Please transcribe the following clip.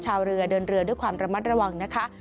ชาวเรือเดินเรือด้วยความระมัดระวังนะคะ